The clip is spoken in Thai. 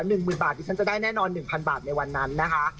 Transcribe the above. ๑หมื่นบาทที่ฉันจะได้แน่นอน๑๐๐๐บาทในวันนั้นนะคะ